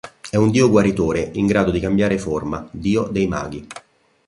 È un dio guaritore in grado di cambiare forma, dio dei maghi.